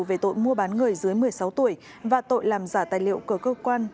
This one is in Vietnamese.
về tội mua bán người dưới một mươi sáu tuổi và tội làm giả tài liệu của cơ quan